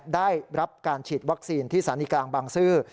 ได้รับการฉีดวัคซีนที่สถานีกลางบางซื่อ